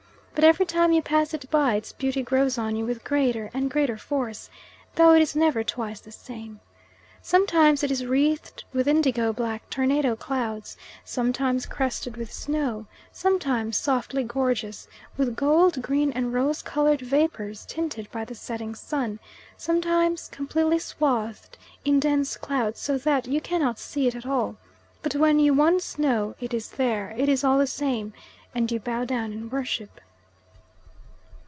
But every time you pass it by its beauty grows on you with greater and greater force, though it is never twice the same. Sometimes it is wreathed with indigo black tornado clouds, sometimes crested with snow, sometimes softly gorgeous with gold, green, and rose coloured vapours tinted by the setting sun, sometimes completely swathed in dense cloud so that you cannot see it at all; but when you once know it is there it is all the same, and you bow down and worship.